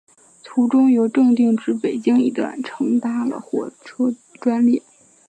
途中由正定至北京一段乘搭了火车专列。